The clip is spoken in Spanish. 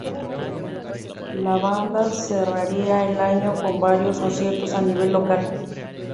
La banda cerraría el año con varios conciertos a nivel local.